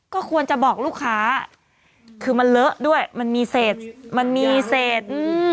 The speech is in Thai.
ก็ควรจะบอกลูกค้าคือมันเลอะด้วยมันมีเศษมันมีเศษอืม